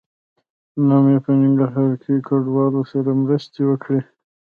نغمې په ننګرهار کې کډوالو سره مرستې وکړې